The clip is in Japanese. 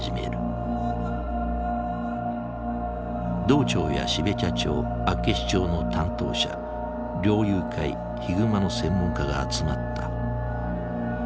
道庁や標茶町厚岸町の担当者猟友会ヒグマの専門家が集まった。